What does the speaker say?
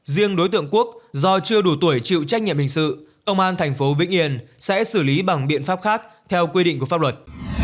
riêng đối tượng quốc do chưa đủ tuổi chịu trách nhiệm hình sự công an tp vĩnh yên sẽ xử lý bằng biện pháp khác theo quy định của pháp luật